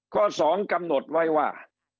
ข้อ๒กำหนดไว้ว่า